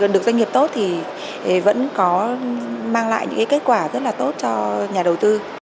được doanh nghiệp tốt thì vẫn có mang lại những kết quả rất là tốt cho nhà đầu tư